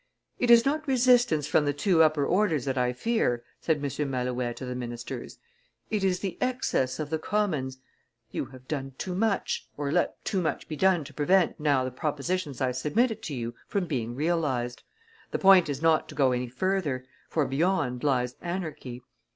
"It is not resistance from the two upper orders that I fear," said M. Malouet to the ministers, "it is the excess of the commons; you have done too much, or let too much be done to prevent now the propositions I submitted to you from being realized; the point is not to go any further, for beyond lies anarchy.